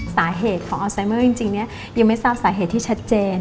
สาเหตุของอัลไซเมอร์จริงเนี่ยยังไม่ทราบสาเหตุที่ชัดเจน